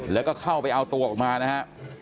แล้วก็เข้าไปเอาตัวออกมานะฮะ